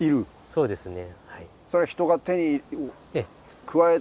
そうですね。